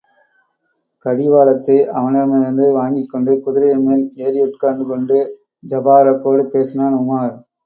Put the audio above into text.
கடிவாளத்தை அவனிடமிருந்து வாங்கிக் கொண்டு, குதிரையின் மேல் ஏறியுட்கார்ந்து கொண்டு ஜபாரக்கோடு பேசினான் உமார்.